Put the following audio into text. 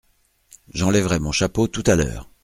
J’enlèverai mon chapeau tout à l’heure.